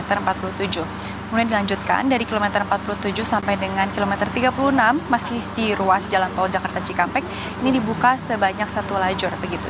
kemudian dilanjutkan dari kilometer empat puluh tujuh sampai dengan kilometer tiga puluh enam masih di ruas jalan tol jakarta cikampek ini dibuka sebanyak satu lajur begitu